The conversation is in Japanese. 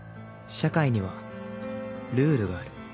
社会にはルールがある